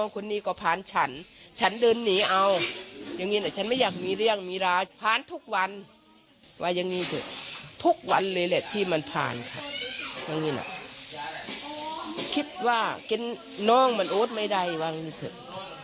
คิดว่าน้องมันโอ๊ตไม่ได้ว่างั้นเถอะ